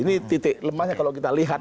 ini titik lemahnya kalau kita lihat